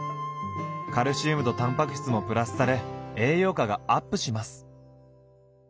カルシウムとたんぱく質もプラスされ栄養価がアップします。